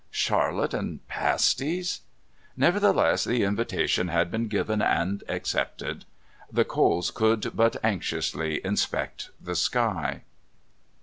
Charlotte and pasties!... nevertheless, the invitation had been given and accepted. The Coles could but anxiously inspect the sky...